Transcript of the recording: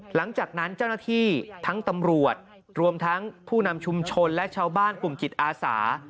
หลังจากนั้นเจ้าหน้าที่ทั้งตำรวจรวมทั้งผู้นำชุมชนและชาวบ้านกลุ่มจิตอาสา